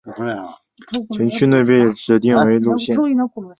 全区间被指定为如下表所列的高速自动车国道路线。